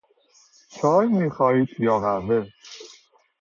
چای میخواهید یا قهوه؟